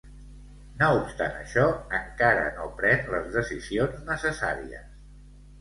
No obstant això, encara no pren les decisions necessàries.